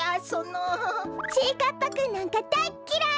ちぃかっぱくんなんかだいっきらい！